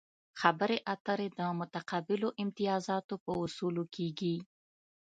خبرې اترې د متقابلو امتیازاتو په اصولو کیږي